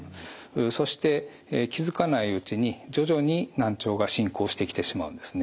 そして気付かないうちに徐々に難聴が進行してきてしまうんですね。